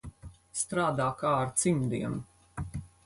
Strādā kā ar cimdiem.